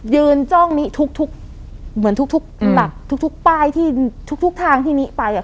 ยืนจ้องนี้ทุกทุกเหมือนทุกทุกหลักทุกทุกป้ายที่ทุกทุกทางที่นี้ไปอ่ะ